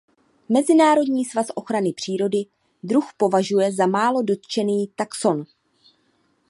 Mezinárodní svaz ochrany přírody druh považuje za málo dotčený taxon.